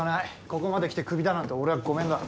ここまできてクビだなんて俺はごめんだ。